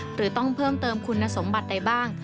หรือต้องเพิ่มเติมคุณสมบัติใดบ้าง